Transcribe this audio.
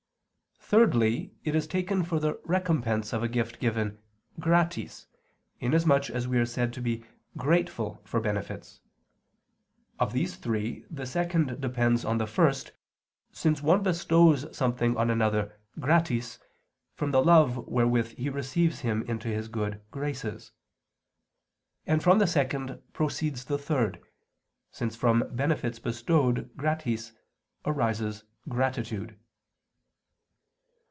Thirdly, it is taken for the recompense of a gift given "gratis," inasmuch as we are said to be "grateful" for benefits. Of these three the second depends on the first, since one bestows something on another "gratis" from the love wherewith he receives him into his good "graces." And from the second proceeds the third, since from benefits bestowed "gratis" arises "gratitude."